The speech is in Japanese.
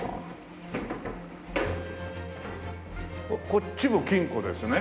こっちも金庫ですね？